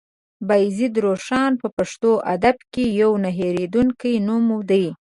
بايزيد روښان په پښتو ادب کې يو نه هېرېدونکی نوم دی.